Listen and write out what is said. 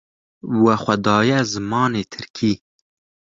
We xwe daye zimanê Tirkî